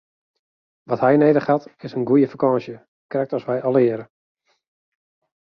Wat hy nedich hat is in goede fakânsje, krekt as wy allegearre!